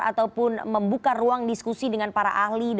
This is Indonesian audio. ataupun membuka ruang diskusi